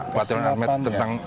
pak teon ahmed tentang